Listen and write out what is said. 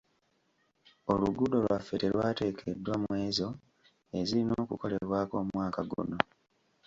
Oluguudo lwaffe terwateekeddwa mw'ezo ezirina okukolebwako omwaka guno.